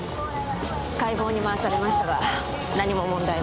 解剖に回されましたが何も問題は。